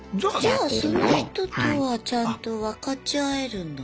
じゃあその人とはちゃんと分かち合えるんだね。